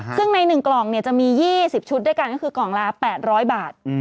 ซึ่งใน๑กล่องจะมี๒๐ชุดด้วยกันก็คือกล่องละ๘๐๐บาท